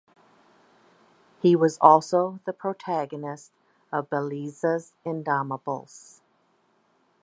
He was also the protagonist of "Bellezas Indomables"